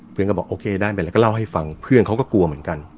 เพื่อนก็บอกได้ไหมแล้วเล่าให้ฟังเพื่อนเขาก็กลัวเหมือนกัน